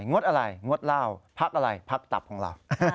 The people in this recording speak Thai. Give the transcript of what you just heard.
งดอะไรงดเหล้าพักอะไรพักตับของเรา